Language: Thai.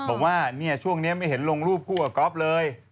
บอกว่าช่วงนี้ไม่เห็นลงรูปคู่กับก๊อฟเลย